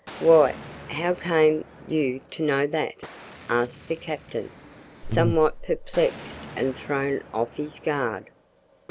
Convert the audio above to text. "Why, how came you to know that?" asked the captain, somewhat perplexed and thrown off his guard.